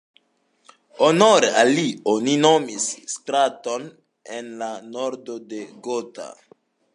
Honore al li oni nomis straton en la nordo de Gotha.